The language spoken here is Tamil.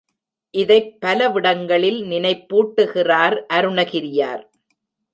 இதைப் பலவிடங்களில் நினைப்பூட்டுகிறார் அருணகிரியார்.